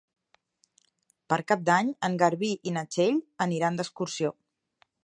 Per Cap d'Any en Garbí i na Txell aniran d'excursió.